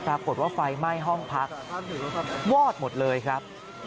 ปรากฏว่าไฟไหม้ห้องพักวอดหมดเลยครับ